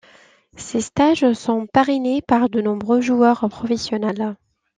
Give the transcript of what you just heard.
Ces stages sont parrainés par de nombreux joueurs professionnels.